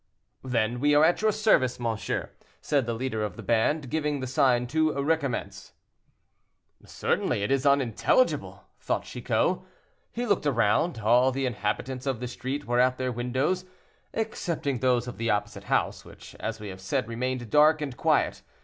"Then we are at your service, monsieur," said the leader of the band, giving the sign to recommence. "Certainly it is unintelligible," thought Chicot. He looked around; all the inhabitants of the street were at their windows, excepting those of the opposite house, which, as we have said, remained dark and quiet.